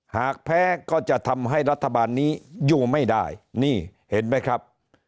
หากแพ้ก็จะทำให้รัฐบาลนี้อยู่ไม่ได้นี่เห็นไหมครับ